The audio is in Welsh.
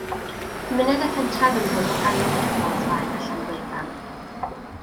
Cymuned a phentref ym Mro Morgannwg ydy'r Bont-faen a Llanfleiddan.